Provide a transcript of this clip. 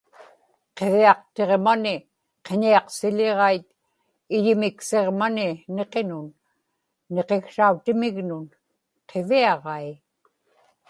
qiviaqtiġmani qiñiaqsiḷiġait iyimiksiġmani niqinun, niqiksrautimignun, qiviaġai